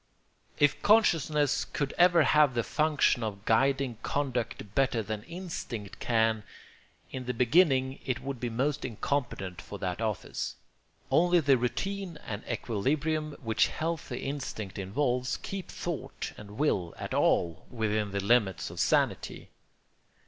] If consciousness could ever have the function of guiding conduct better than instinct can, in the beginning it would be most incompetent for that office. Only the routine and equilibrium which healthy instinct involves keep thought and will at all within the limits of sanity.